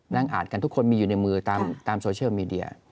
นั่งอ่านกันทุกคนมีอยู่ในมือตามโซเชียลมีเดีย